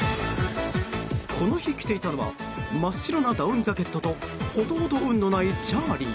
この日、着ていたのは真っ白なダウンジャケットとほとほと運のないチャーリー。